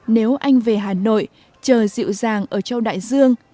nếu anh về hà nội chờ dịu dàng ở châu đại dương